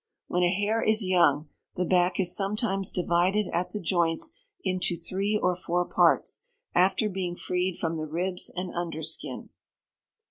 When a hare is young, the back is sometimes divided at the joints into three or four parts, after being freed from the ribs and under skin.